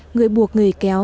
người buộc người kéo